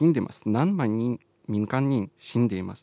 何万人、民間人死んでいます。